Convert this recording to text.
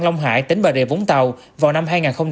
long hải tỉnh bà rịa vũng tàu vào năm hai nghìn hai mươi